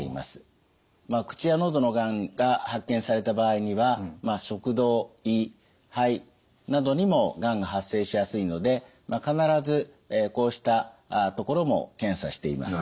口や喉のがんが発見された場合には食道・胃・肺などにもがんが発生しやすいので必ずこうしたところも検査しています。